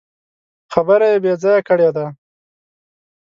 خبره يې بې ځايه کړې ده.